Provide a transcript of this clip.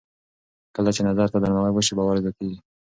کله چې نظر ته درناوی وشي، باور زیاتېږي.